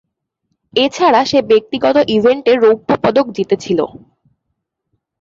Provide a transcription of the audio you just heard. এছাড়া সে ব্যক্তিগত ইভেন্টে রৌপ্য পদক জিতেছিল।